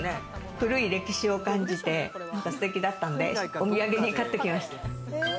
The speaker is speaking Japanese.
古い歴史を感じて、ステキだったのでお土産に買ってきました。